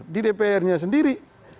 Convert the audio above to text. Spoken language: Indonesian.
di dpr nya sendiri